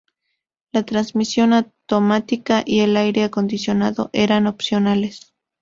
La transmisión automática y el aire acondicionado eran opcionales.